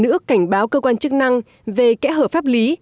sẽ giữ ước cảnh báo cơ quan chức năng về kẽ hở pháp lý